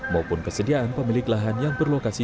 maupun kesediaan pemilik lahan yang berlokasi